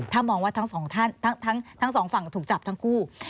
ถ้ามองว่าทั้งสองฝั่งถูกจับทั้งคู่